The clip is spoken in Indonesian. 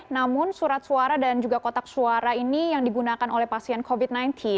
namun surat suara dan juga kotak suara ini yang digunakan oleh pasien covid sembilan belas